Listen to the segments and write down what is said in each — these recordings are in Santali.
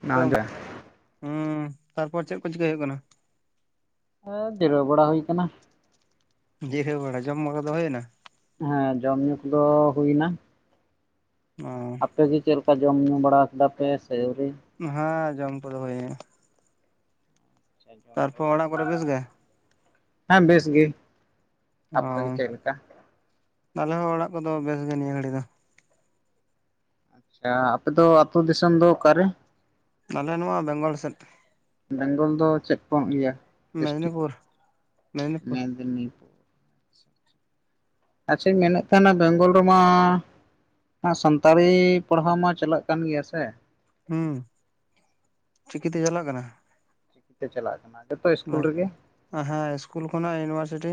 ᱦᱮᱸ ᱦᱩᱸ ᱛᱟᱨᱯᱚᱨ ᱪᱮᱫ ᱠᱚ ᱪᱤᱠᱟᱹᱭ ᱦᱩᱭᱩᱜ ᱠᱟᱱᱟ᱾ ᱦᱮᱸ ᱡᱤᱨᱟᱹᱣ ᱵᱟᱲᱟ ᱦᱩᱭ ᱟᱠᱟᱱᱟ ᱡᱤᱨᱟᱹᱣ ᱵᱟᱲᱟ ᱡᱚᱢ ᱵᱟᱲᱟ ᱫᱚ ᱦᱩᱭᱮᱱᱟ ᱦᱮᱸ ᱡᱚᱢ ᱧᱩ ᱠᱚᱫᱚ ᱦᱩᱭ ᱮᱱᱟ ᱚ ᱟᱯᱮᱜᱮ ᱪᱮᱫ ᱞᱮᱠᱟ ᱡᱚᱢ ᱧᱩ ᱵᱟᱲᱟ ᱠᱮᱫᱫᱟ ᱯᱮ ᱥᱮ ᱟᱣᱹᱨᱤ᱾ ᱦᱮᱸ ᱡᱚᱢ ᱠᱚᱫᱚ ᱦᱩᱭ ᱮᱱᱟ ᱛᱟᱨᱯᱚᱨ ᱚᱲᱟᱜ ᱠᱚᱨᱮ ᱵᱮᱥᱜᱮ᱾ ᱦᱮᱸ ᱵᱮᱥ ᱜᱮ᱾ ᱚ ᱟᱯᱮ ᱜᱮ ᱪᱮᱫ ᱞᱮᱠᱟ ᱟᱞᱮ ᱦᱚᱸ ᱚᱲᱟᱜ ᱠᱚᱫᱚ ᱵᱮᱥ ᱜᱮ ᱱᱤᱭᱟᱹ ᱜᱷᱟᱹᱲᱤᱡ ᱫᱚ᱾ ᱟᱪᱪᱷᱟ ᱟᱯᱮ ᱟᱹᱛᱩᱳ ᱫᱤᱥᱚᱢ ᱫᱚ ᱚᱠᱟᱨᱮ᱾ ᱟᱞᱮ ᱱᱚᱣᱟ ᱵᱮᱝᱜᱚᱞ ᱥᱮᱫ᱾ ᱵᱮᱝᱜᱚᱞ ᱫᱚ ᱪᱮᱫ ᱠᱚᱢ ᱭᱟ ᱰᱤᱥᱴᱤᱠ ᱾ ᱢᱮᱫᱽᱱᱤᱯᱩᱨ ᱢᱮᱫᱽᱱᱤᱯᱩᱨ ᱟᱪᱪᱷᱟᱧ ᱢᱮᱱᱮᱫ ᱛᱟᱦᱮᱱᱟ ᱵᱮᱝᱜᱚᱞ ᱨᱮᱢᱟ᱾ ᱥᱟᱱᱛᱟᱲᱤ ᱯᱟᱲᱦᱟᱣ ᱢᱟ ᱪᱟᱞᱟᱜ ᱠᱟᱱ ᱜᱮᱭᱟ ᱥᱮ᱾ ᱦᱩᱸ ᱪᱤᱠᱤᱛᱮ ᱪᱟᱞᱟᱜ ᱠᱟᱱᱟ᱾ ᱪᱤᱠᱤᱛᱮ ᱪᱟᱞᱟᱜ ᱠᱟᱱᱟ ᱡᱚᱛᱚ ᱤᱥᱠᱩᱞ ᱨᱮᱜᱮ᱾ ᱦᱮᱸ ᱤᱥᱠᱩᱞ ᱠᱷᱚᱱᱟᱜ ᱤᱭᱩᱱᱤᱵᱷᱟᱨᱥᱤᱴᱤ᱾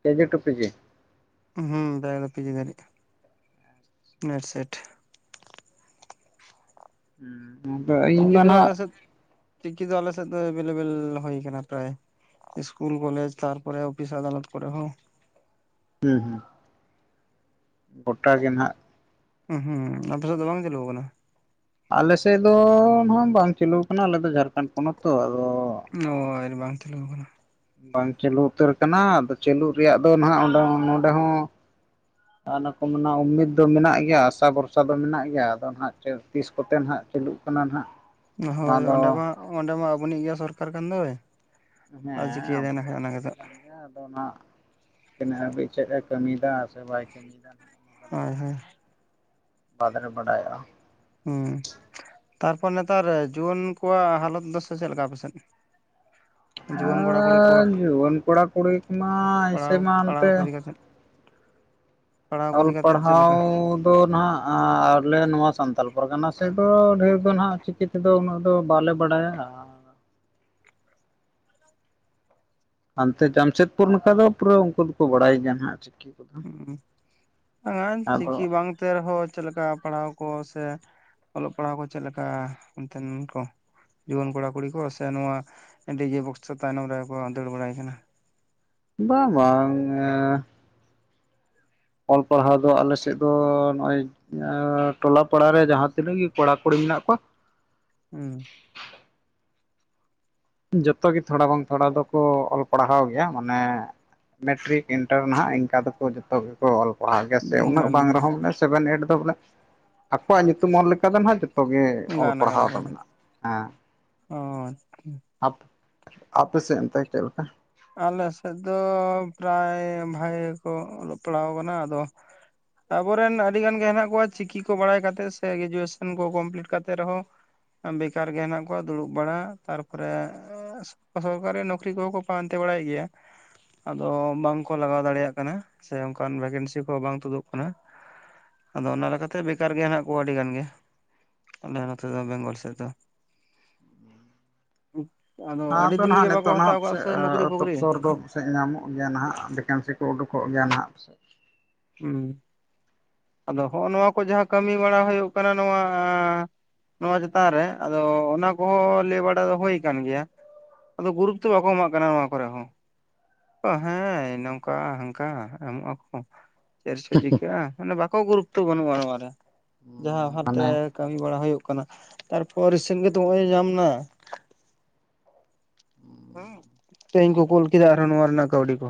ᱠᱮᱡᱤ ᱴᱩ ᱯᱮᱡᱤ ᱦᱩᱸ ᱯᱮᱡᱤ ᱫᱟᱨᱤᱪ ᱱᱮᱴ ᱥᱮᱴ [unintelligible] ᱪᱤᱠᱤ ᱫᱚ ᱟᱞᱮ ᱱᱟᱦᱟᱜ ᱥᱮᱫ ᱫᱚ ᱪᱤᱠᱤ ᱫᱚ ᱟᱞᱮ ᱥᱮᱫ ᱫᱚ ᱮᱵᱮᱞᱮᱵᱮᱞ ᱦᱩᱭ ᱟᱠᱟᱱᱟ ᱯᱨᱟᱭ᱾ ᱤᱥᱠᱩᱞ ᱠᱚᱞᱡᱽ ᱛᱟᱨᱯᱮ ᱚᱯᱷᱤᱥ ᱟᱫᱟᱞᱚᱛ ᱠᱚᱨᱮ ᱦᱚᱸ ᱦᱩᱸ ᱦᱩᱸ ᱜᱚᱴᱟ ᱜᱮ ᱱᱟᱦᱟᱜ ᱦᱩᱸ ᱦᱩᱸ ᱟᱯᱮ ᱥᱮᱫ ᱫᱚ ᱵᱟᱝ ᱪᱟᱹᱞᱩ ᱠᱟᱱᱟ᱾ ᱟᱞᱮ ᱥᱮᱫ ᱫᱚ ᱱᱟᱜ ᱵᱟᱝ ᱪᱟᱞᱩ ᱟᱠᱟᱱᱟ ᱟᱞᱮ ᱫᱚ ᱡᱷᱟᱲᱠᱷᱚᱸᱰ ᱯᱚᱱᱚᱛ ᱛᱚ ᱟᱫᱚ᱾ ᱦᱚᱭ ᱵᱟᱝ ᱪᱟᱞᱩ ᱠᱟᱱᱟ ᱵᱟᱝ ᱪᱟᱹᱞᱩ ᱩᱛᱟᱹᱨ ᱠᱟᱱᱟ ᱟᱫᱚ ᱪᱟᱹᱞᱩ ᱨᱮᱭᱟᱜ ᱫᱚ ᱱᱟᱜ ᱱᱚᱰᱮ ᱦᱚᱸ᱾ ᱚᱱᱟ ᱠᱚᱢᱟ ᱩᱢᱤᱫ ᱫᱚ ᱢᱮᱱᱟᱜ ᱜᱮᱭᱟ ᱟᱥᱟ ᱵᱷᱚᱨᱥᱟ ᱫᱚ ᱢᱮᱱᱟᱜ ᱜᱮᱭᱟ ᱟᱫᱚ ᱱᱟᱦᱟᱜ ᱛᱤᱥ ᱠᱚᱛᱮ ᱱᱟᱦᱟᱜ᱾ ᱪᱟᱹᱞᱩᱜ ᱠᱟᱱᱟ ᱱᱟᱦᱟᱜ ᱱᱚᱣᱟ ᱦᱳᱭ ᱚᱸᱰᱮ ᱢᱟ ᱚᱸᱰᱮ ᱢᱟ ᱟᱵᱚᱱᱤᱡ ᱜᱮ ᱥᱚᱨᱠᱟᱨ ᱠᱟᱱ ᱫᱚᱭ᱾ ᱫᱚ ᱦᱮᱸ ᱪᱤᱠᱟᱭ ᱫᱟ ᱟᱵᱚ ᱚᱱᱟ ᱜᱮᱛᱚᱜ ᱠᱟᱱ ᱦᱟᱜ ᱟᱫᱚ ᱱᱟᱜ ᱛᱤᱱᱟᱹᱜ ᱦᱟᱹᱵᱤᱡ ᱪᱮᱫ ᱮ ᱠᱟᱹᱢᱤᱭᱮᱫᱟ ᱥᱮ ᱵᱟᱭ ᱠᱟᱹᱢᱤᱭᱮᱫᱟ ᱦᱟᱜ᱾ ᱦᱳᱭ ᱦᱳᱭ [inaudible] ᱵᱟᱰᱟᱭᱚᱜᱼᱟ ᱦᱩᱸ ᱛᱟᱨᱯᱚᱨ ᱱᱮᱛᱟᱨ ᱡᱩᱣᱟᱹᱱ ᱠᱚᱣᱟᱜ ᱦᱟᱞᱚᱛ ᱫᱚᱥᱟ ᱪᱮᱫ ᱞᱮᱠᱟ ᱟᱯᱮᱥᱮᱫ᱾ ᱮᱸ ᱡᱩᱣᱟᱹᱱ ᱠᱚᱲᱟ ᱠᱩᱲᱤ ᱠᱚᱢᱟ ᱮᱥᱮ ᱯᱟᱲᱦᱟᱣ ᱢᱟ ᱯᱟᱲᱦᱟᱣ ᱛᱮ ᱠᱚ ᱤᱫᱤ ᱠᱟᱛᱮᱫ ᱯᱟᱲᱦᱟᱣ ᱠᱚ ᱚᱞ ᱤᱫᱤ ᱠᱟᱛᱮᱫ ᱪᱮᱫ ᱯᱟᱲᱦᱟᱣ ᱞᱮᱠᱟ ᱛᱚ ᱱᱟᱦᱟᱜ ᱟᱞᱮ ᱱᱚᱣᱟ ᱥᱟᱱᱛᱟᱲ ᱯᱚᱨᱜᱟᱱᱟ ᱥᱮᱫ ᱫᱚ ᱰᱷᱮᱨ ᱫᱚ ᱱᱟᱦᱟᱜ ᱪᱤᱠᱤ ᱪᱤᱠᱤ ᱫᱚ ᱩᱱᱟᱹᱜ ᱫᱚ ᱵᱟᱞᱮ ᱵᱟᱲᱟᱭᱟ ᱦᱟᱱᱛᱮ ᱡᱟᱢᱥᱮᱫᱯᱩᱨ ᱱᱚᱠᱟ ᱫᱚ ᱯᱩᱨᱟᱹ ᱩᱱᱠᱩ ᱫᱚᱠᱚ ᱵᱟᱲᱟᱭ ᱜᱮᱭᱟ ᱦᱟᱜ ᱪᱤᱠᱤ ᱠᱚᱫᱚ [inaudible] ᱪᱤᱠᱤ ᱟᱫᱚ ᱵᱟᱝ ᱛᱮ ᱨᱮᱦᱚᱸ ᱪᱮᱫ ᱞᱮᱠᱟ ᱯᱟᱲᱦᱟᱣ ᱠᱚ ᱥᱮ ᱚᱞᱚᱜ ᱯᱟᱲᱦᱟᱣ ᱠᱚ ᱪᱮᱫ ᱞᱮᱠᱟ ᱚᱱᱛᱮᱱ ᱠᱚ᱾ ᱡᱩᱣᱟᱹᱱ ᱠᱚᱲᱟ ᱠᱩᱲᱤ ᱠᱚ ᱥᱮ ᱱᱚᱣᱟ ᱰᱤᱡᱮ ᱵᱚᱠᱥᱚ ᱛᱟᱭᱱᱚᱢ ᱨᱮᱜᱮ ᱠᱚ ᱫᱟᱹᱲ ᱵᱟᱲᱟᱭ ᱠᱟᱱᱟ᱾ ᱵᱟᱝ ᱵᱟᱝ ᱮᱸ ᱚᱞ ᱯᱟᱲᱦᱟᱣ ᱫᱚ ᱟᱞᱮ ᱥᱮᱫ ᱫᱚ ᱱᱚᱜᱼᱚᱭ ᱮᱸ ᱴᱚᱞᱟ ᱯᱟᱲᱟ ᱨᱮ ᱡᱟᱸᱦᱟ ᱛᱤᱱᱟᱹᱜ ᱜᱮ ᱠᱚᱲᱟ ᱠᱩᱲᱤ ᱢᱮᱱᱟᱜ ᱠᱚᱣᱟ᱾ ᱦᱩᱸ ᱡᱚᱛᱚ ᱜᱮ ᱛᱷᱚᱲᱟ ᱵᱟᱝ ᱛᱷᱚᱲᱟ ᱫᱚᱠᱚ ᱚᱞ ᱯᱟᱲᱦᱟᱣ ᱜᱮᱭᱟ ᱢᱟᱱᱮ ᱢᱮᱴᱨᱤᱠ ᱤᱱᱴᱟᱨ ᱱᱟᱦᱟᱜ ᱤᱱᱠᱟ ᱫᱚᱠᱚ ᱡᱚᱛᱚ ᱜᱮ᱾ ᱚᱞ ᱯᱟᱲᱦᱟᱣ ᱜᱮᱭᱟ ᱥᱮ ᱩᱱᱟᱹᱜ ᱜᱟᱱ ᱵᱟᱝ ᱜᱮᱭᱟ ᱨᱮᱦᱚᱸᱚᱞᱮ ᱥᱮᱵᱷᱮᱱ ᱮᱭᱤᱴ ᱫᱚ ᱵᱚᱞᱮ ᱟᱠᱚᱣᱟᱜ ᱧᱩᱛᱩᱢ ᱚᱞ ᱞᱮᱠᱟ ᱫᱚ ᱱᱟᱦᱟᱜ ᱡᱚᱛᱚ᱾ ᱡᱚᱛᱚ ᱜᱮ ᱚᱞ ᱜᱟᱱ ᱠᱟᱫᱟ ᱯᱟᱲᱦᱟᱣ ᱫᱚ ᱠᱚ ᱢᱮᱱᱟᱜᱼᱟ᱾ ᱚ ᱪᱪᱷᱟ ᱟᱯᱮ ᱟᱯᱮ ᱥᱮᱱ ᱚᱱᱛᱮ ᱪᱮᱫ ᱞᱮᱠᱟ ᱟᱞᱮ ᱥᱮᱫ ᱫᱚ ᱯᱨᱟᱭ ᱵᱷᱟᱜᱮ ᱜᱮᱠᱚ ᱚᱞᱚᱜ ᱯᱟᱲᱦᱟᱣ ᱠᱟᱱᱟ ᱟᱫᱚ᱾ ᱟᱵᱚᱨᱮᱱ ᱟᱹᱰᱤ ᱜᱟᱱ ᱜᱮ ᱦᱮᱱᱟᱜ ᱠᱚᱣᱟ ᱪᱤᱠᱤ ᱠᱚ ᱵᱟᱲᱟᱭ ᱠᱟᱛᱮᱜ ᱥᱮ ᱜᱨᱮᱡᱩᱭᱮᱥᱚᱱ ᱠᱚ ᱠᱚᱢᱯᱞᱤᱴ ᱠᱟᱛᱮᱜ ᱨᱮᱦᱚᱸ᱾ ᱵᱮᱠᱟᱨ ᱜᱮ ᱦᱮᱱᱟᱜ ᱠᱚᱣᱟ ᱫᱩᱲᱩᱵ ᱵᱟᱲᱟ ᱛᱟᱨᱯᱚᱨᱮ ᱥᱚᱨᱠᱟᱨᱤ ᱱᱚᱠᱨᱤ ᱠᱚᱦᱚ ᱠᱚ᱾ ᱯᱟᱱᱛᱮ ᱵᱟᱲᱟᱭ ᱜᱮᱭᱟ ᱟᱫᱚ ᱵᱟᱝᱠᱚ ᱞᱟᱜᱟᱣ ᱫᱟᱲᱮᱭᱟᱜ ᱠᱟᱱᱟ ᱥᱮ ᱚᱱᱠᱟᱱ ᱵᱷᱮᱠᱮᱱᱥᱤ ᱠᱚ ᱵᱟᱝ ᱛᱩᱫᱩᱜ ᱠᱟᱱᱟ᱾ ᱟᱫᱚ ᱚᱱᱟ ᱞᱮᱠᱟᱛᱮ ᱵᱮᱠᱟᱨ ᱜᱮ ᱦᱮᱸᱱᱟᱜ ᱠᱚᱣᱟ ᱟᱹᱰᱤ ᱜᱟᱱ ᱜᱮ᱾ ᱟᱞᱮ ᱱᱚᱛᱮ ᱫᱚ ᱵᱮᱝᱜᱚᱞ ᱥᱮᱫ ᱫᱚ, [unintelligible] ᱟᱫᱚ [unintelligible] ᱟᱹᱰᱤ ᱫᱤᱱ ᱜᱮ ᱵᱟᱠᱚ ᱦᱟᱛᱟᱣ ᱠᱟᱜᱼᱟ ᱥᱮ ᱱᱚᱠᱨᱤ ᱯᱷᱚᱠᱨᱤ ᱫᱚ ᱥᱮᱜ ᱧᱟᱢᱚᱜ ᱜᱮᱭᱟ ᱱᱟᱦᱟᱜ ᱵᱷᱮᱠᱮᱱᱥᱤ ᱠᱚ ᱩᱰᱩᱠᱚᱜ ᱜᱮᱭᱟ ᱱᱟᱦᱟᱜ ᱯᱟᱥᱮᱜ ᱦᱩᱸ ᱟᱫᱚ ᱦᱚᱸᱜ ᱱᱚᱣᱟ ᱠᱚ ᱡᱟᱦᱟᱸ ᱠᱟᱹᱢᱤ ᱵᱟᱲᱟ ᱦᱩᱭᱩᱜ ᱠᱟᱱᱟ ᱱᱚᱣᱟ ᱱᱚᱣᱟ ᱪᱮᱛᱟᱱ ᱨᱮ ᱟᱫᱚ ᱚᱱᱟ ᱠᱚᱦᱚᱸ ᱞᱟᱹᱭ ᱵᱟᱲᱟ ᱫᱚ ᱦᱩᱭ ᱟᱠᱟᱱ ᱜᱮᱭᱟ, ᱟᱫᱚ ᱜᱩᱨᱩᱛᱚ ᱵᱟᱠᱚ ᱮᱢᱟᱜ ᱠᱟᱱᱟ ᱱᱚᱣᱟ ᱠᱚᱨᱮ ᱦᱚᱸ᱾ ᱦᱮᱸ ᱱᱚᱝᱠᱟ ᱦᱟᱝᱠᱟ ᱮᱢᱚᱜ ᱟᱠᱚ ᱪᱮᱨᱥᱚ ᱪᱤᱠᱟᱹᱜᱼᱟ ᱢᱟᱱᱮ ᱵᱟᱠᱚ ᱜᱩᱨᱩᱛᱚ ᱵᱟᱹᱱᱩᱜᱼᱟ ᱱᱚᱣᱟ ᱨᱮ ᱡᱟᱦᱟᱸ ᱦᱟᱸᱱᱛᱮ ᱢᱟᱱᱮ ᱠᱟᱹᱢᱤ ᱵᱟᱲᱟ ᱦᱳᱭᱳᱜ ᱠᱟᱱᱟ ᱛᱟᱨᱯᱚᱨ ᱨᱤᱥᱮᱱ ᱜᱮᱛᱚ ᱱᱚᱜᱼᱚᱭ ᱧᱟᱢ ᱮᱱᱟ, ᱩᱸᱻ [unintelligible] ᱛᱮᱦᱮᱧ ᱠᱚ ᱠᱳᱞ ᱠᱮᱫᱟ ᱟᱨᱦᱚᱸ ᱱᱚᱣᱟ ᱨᱮᱱᱟᱜ ᱠᱟᱹᱣᱰᱤ ᱠᱚ,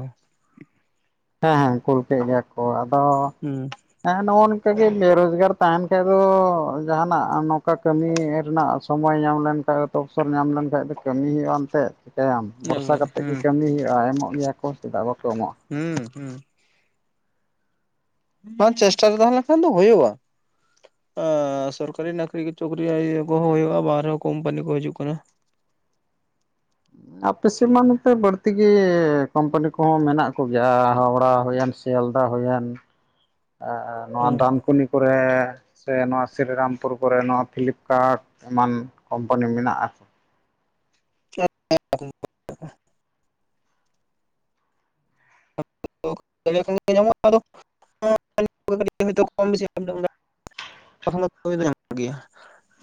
ᱦᱮᱸ ᱦᱮᱸ ᱠᱳᱞ ᱠᱮᱫ ᱜᱮᱭᱟ ᱠᱚ ᱟᱫᱚ ᱦᱩᱸ᱾ ᱦᱮᱸ ᱱᱚᱜᱼᱚ ᱱᱤᱝᱠᱟᱹ ᱜᱮ ᱵᱮᱨᱳᱡᱽᱜᱟᱨ ᱛᱟᱦᱮᱱ ᱠᱷᱟᱡ ᱫᱚ ᱡᱟᱦᱟᱸᱱᱟᱜ ᱱᱚᱝᱠᱟ ᱠᱟᱹᱢᱤ ᱨᱮᱱᱟᱜ ᱥᱚᱢᱳᱭ ᱧᱟᱢ ᱞᱮᱱᱠᱷᱟᱡ ᱛᱚᱯᱥᱚᱨ ᱧᱟᱢ ᱞᱮᱱᱠᱟᱱᱡ ᱫᱚ ᱠᱟᱹᱢᱤ ᱦᱩᱭᱩᱜᱼᱟ ᱮᱱᱛᱮᱫ, ᱪᱤᱠᱟᱹᱭᱟᱢ ᱵᱚᱨᱥᱟ ᱮᱠᱵᱟᱨᱮ ᱠᱟᱛᱮᱫ ᱜᱮ ᱦᱩᱸ ᱠᱟᱹᱢᱤ ᱦᱩᱭᱩᱜᱼᱟ ᱮᱢᱚᱜ ᱜᱮᱭᱟ ᱠᱚ ᱪᱮᱫᱟᱜ ᱵᱟᱠᱚ ᱮᱢᱚᱜᱼᱟ᱾ ᱦᱩᱸ ᱦᱩᱸ᱾ ᱵᱟᱝ ᱪᱮᱥᱴᱟ ᱨᱮ ᱛᱟᱦᱮᱸ ᱞᱮᱱᱠᱷᱟᱱ ᱫᱚ ᱦᱩᱭᱩᱜᱼᱟ᱾ ᱮᱻ ᱥᱚᱨᱠᱟᱨᱤ ᱱᱟ. ᱠᱨᱤ ᱪᱩᱠᱨᱤᱭᱟᱹ ᱠᱚᱦᱚᱸ ᱦᱩᱭᱩᱜᱼᱟ ᱵᱟᱨᱮᱦᱚᱸ ᱠᱳᱢᱯᱟᱱᱤ ᱠᱚ ᱦᱤᱡᱩᱜ ᱠᱟᱱᱟ, ᱟᱯᱮ ᱥᱮᱫ ᱢᱟ ᱱᱚᱛᱮ ᱵᱟᱹᱲᱛᱤ ᱜᱮ ᱠᱳᱢᱯᱟᱱᱤ ᱠᱚᱦᱚᱸ ᱢᱮᱱᱟᱜ ᱠᱚᱜᱮᱭᱟ ᱦᱟᱣᱲᱟ ᱦᱩᱭᱮᱱ ᱥᱮ ᱥᱮᱭᱟᱞᱫᱟ ᱦᱳᱭᱮᱱ ᱱᱚᱣᱟ ᱦᱩᱸ ᱰᱟᱱᱠᱩᱱᱤ ᱠᱚᱨᱮ ᱥᱮ ᱱᱚᱣᱟ ᱥᱨᱤᱨᱟᱢᱯᱩᱨ ᱠᱚᱨᱮ ᱱᱚᱣᱟ ᱯᱷᱤᱞᱤᱯᱠᱟᱨᱴ ᱮᱢᱟᱱ ᱠᱳᱢᱯᱟᱱᱤ ᱢᱮᱱᱟᱜ-ᱟ, [inaudible] [unintelligible] ᱧᱟᱢᱚᱜᱼᱟ ᱟᱫᱚ, [unintelligible] ᱵᱤᱥᱤ ᱠᱟ. ᱢᱤ ᱫᱚ ᱧᱟᱢᱚᱜ ᱜᱮᱭᱟ᱾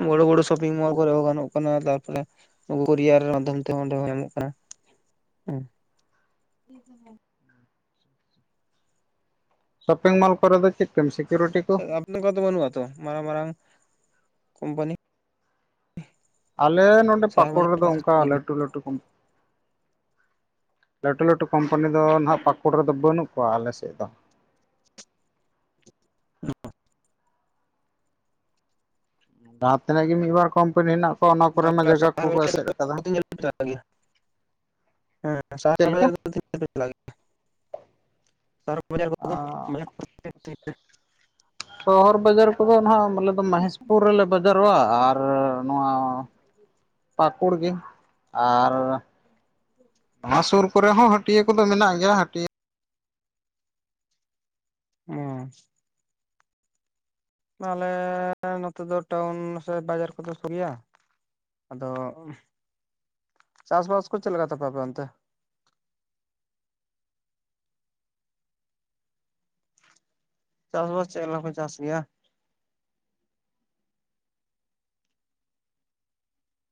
ᱵᱚᱲᱚ ᱵᱚᱲᱚ ᱥᱚᱯᱤᱝ ᱢᱚᱞ ᱠᱚᱨᱮ ᱦᱚᱸ ᱜᱟᱱᱚᱜ ᱠᱟᱱᱟ ᱛᱟᱨᱯᱚᱨᱮ ᱱᱩᱠᱩ ᱠᱳᱨᱤᱭᱟᱨ ᱢᱟᱫᱽᱫᱷᱚᱢ ᱛᱮᱦᱚᱸ ᱚᱸᱰᱮ ᱦᱚᱸ ᱧᱟᱢᱚᱜ ᱠᱟᱱᱟ᱾ ᱦᱮᱸ [unintelligible] ᱥᱚᱯᱤᱝ ᱢᱚᱞ ᱠᱚᱨᱮ ᱫᱚ ᱪᱮᱫ ᱠᱚᱢ ᱥᱤᱠᱩᱨᱤᱴᱤ ᱠᱚ ᱠᱟ. ᱢᱤ ᱠᱚ ᱛᱚ ᱵᱟᱹᱱᱩᱜ ᱛᱚ ᱢᱟᱨᱟᱝ ᱢᱟᱨᱟᱝ ᱠᱳᱢᱯᱟᱱᱤ ᱟᱞᱮ ᱱᱚᱰᱮ ᱥᱟᱦᱟᱨ ᱯᱟᱠᱩᱲ ᱵᱟᱡᱟᱨ ᱨᱮᱫᱚ ᱠᱚ ᱚᱱᱠᱟ ᱥᱟᱺᱜᱤᱧ ᱜᱮᱭᱟ? ᱞᱟᱹᱴᱩ ᱞᱟᱹᱴᱩ ᱠᱚᱢ ᱞᱟᱹᱴᱩ ᱞᱟᱹᱴᱩ ᱠᱳᱢᱯᱟᱱᱤ ᱫᱚ ᱱᱟᱦᱟᱸᱜ ᱯᱟᱹᱠᱩᱲ ᱨᱮᱫᱚ ᱵᱟᱹᱱᱩᱜ ᱠᱚᱣᱟ ᱟᱞᱮ ᱥᱮᱫ ᱫᱚ᱾ [unintelligible] ᱡᱟᱦᱟᱸ ᱛᱤᱱᱟᱹᱜ ᱜᱮ ᱢᱤᱫᱵᱟᱨ ᱠᱳᱢᱯᱟᱱᱤ ᱦᱮᱱᱟᱜ ᱠᱚᱣᱟ ᱚᱱᱟ ᱠᱚᱨᱮ ᱢᱟ ᱡᱟᱭᱜᱟ ᱠᱚᱠᱚ ᱮᱥᱮᱫ ᱠᱟᱫᱟ᱾ ᱪᱟᱞᱟᱜ ᱜᱮᱭᱟ ᱦᱮᱸ ᱥᱟᱦᱟᱨ ᱪᱮᱫ ᱵᱟᱡᱟᱨ ᱞᱮᱠᱟ ᱫᱚ ᱛᱤᱱᱟᱹᱜ ᱥᱟᱺᱜᱤᱧ ᱯᱮ ᱪᱟᱞᱟᱜ ᱜᱮᱭᱟ? ᱥᱚᱦᱚᱨ ᱵᱟᱡᱟᱨ ᱠᱚᱫᱚ [unintelligible] ᱥᱚᱦᱚᱨ ᱵᱟᱡᱟᱨ ᱠᱚᱫᱚ ᱱᱟᱦᱟᱜ ᱢᱟᱞᱮ ᱢᱚᱦᱮᱥᱯᱩᱨ ᱨᱮᱞᱮ ᱵᱟᱡᱟᱨᱚᱜᱼᱟ ᱟᱨ ᱱᱚᱣᱟ ᱯᱟᱠᱩᱲ ᱜᱮ ᱟᱨ ᱱᱚᱣᱟ ᱥᱩᱨ ᱠᱚᱨᱮ ᱦᱚᱸ ᱦᱟᱹᱴᱤᱭᱟᱹ ᱠᱚᱫᱚ ᱢᱮᱱᱟᱜ ᱜᱮᱭᱟ ᱦᱟᱹᱴᱤᱭᱟᱹ [unintelligible] ᱟᱞᱮ ᱱᱚᱛᱮ ᱫᱚ ᱴᱟᱣᱩᱱ ᱥᱮ ᱵᱟᱡᱟᱨ ᱠᱚᱫᱚ ᱥᱩᱨᱮᱭᱟ᱾ ᱟᱫᱚ ᱪᱟᱥᱵᱟᱥ ᱠᱚ ᱪᱮᱫ ᱞᱮᱠᱟ ᱛᱟᱯᱮ ᱟᱯᱮ ᱚᱱᱛᱮ? ᱪᱟᱥᱵᱟᱥ ᱪᱮᱫ ᱞᱮᱠᱟ ᱠᱚ ᱪᱟᱥ ᱜᱮᱭᱟ?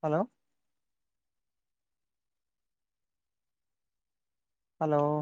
ᱦᱮᱞᱳ᱾ ᱦᱮᱞᱳ᱾